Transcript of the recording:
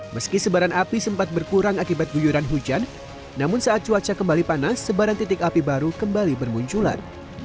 meski sebaran api sempat berkurang akibat guyuran hujan namun saat cuaca kembali panas sebaran titik api baru kembali bermunculan